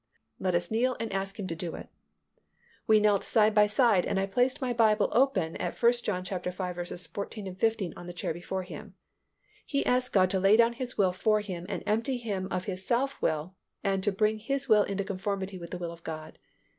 "Let us kneel and ask Him to do it." We knelt side by side and I placed my Bible open at 1 John v. 14, 15 on the chair before him. He asked God to lay down his will for him and empty him of his self will and to bring his will into conformity with the will of God.